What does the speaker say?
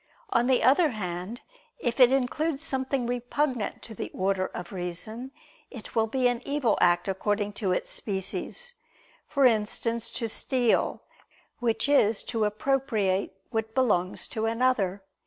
On the other hand, if it includes something repugnant to the order of reason, it will be an evil act according to its species; for instance, to steal, which is to appropriate what belongs to another.